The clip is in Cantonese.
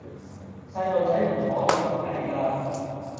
細孥仔唔可以咁曳架